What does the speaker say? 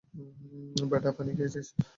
বেটা পানি খেয়েছিস?